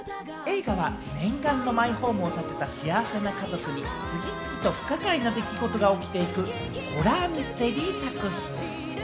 映画は念願のマイホームを建てた幸せな家族に次々と不可解な出来事が起きていくホラー・ミステリー作品。